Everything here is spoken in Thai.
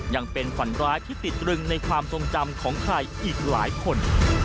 ยังเป็นฝันร้ายที่ติดตรึงในความทรงจำของใครอีกหลายคน